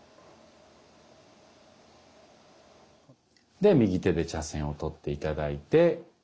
で右手で茶筅を取って頂いて。